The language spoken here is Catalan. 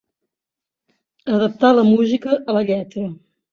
Adaptar la música a la lletra.